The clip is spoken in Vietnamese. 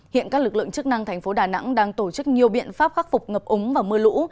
hiện các lực lượng chức năng thành phố đà nẵng đang tổ chức nhiều biện pháp khắc phục ngập ống và mưa lũ